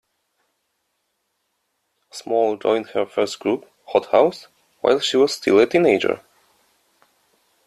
Small joined her first group, Hot House, while she was still a teenager.